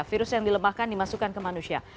virus yang dilemahkan dimasukkan ke manusia